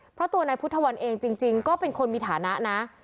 เพราะตัวนายพุทธวันเองจริงก็เป็นคนมีฐานะนะ